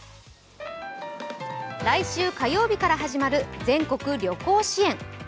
来週火曜日から始まる全国旅行支援。